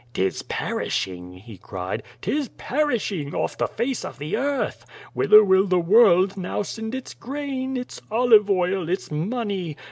" ^Tis perishing!" he cried. " Tis perishing off the face of the earth. Whither will the world now send its grain, its olive oil, its money?